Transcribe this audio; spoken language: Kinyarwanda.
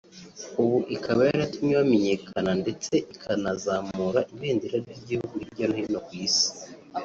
ubu ikaba yaratumye bamenyekana ndetse ikanazamura ibendera ry’igihugu hirya no hino ku isi